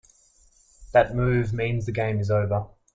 That move means the game is over.